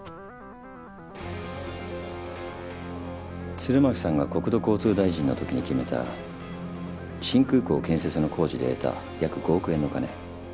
・鶴巻さんが国土交通大臣のときに決めた新空港建設の工事で得た約５億円の金。